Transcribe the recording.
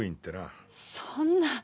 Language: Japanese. そんな。